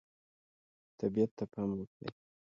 طبیعت ته پام وکړئ.